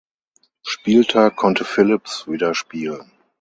Spieltag konnte Phillips wieder spielen.